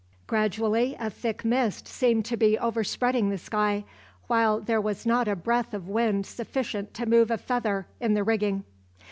Gradually a thick mist seemed to be overspreading the sky, while there was not a breath of wind sufficient to move a feather in the rigging.